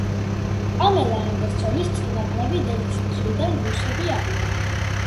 პამელა ანდერსონის წინაპრები დედის მხრიდან რუსები არიან.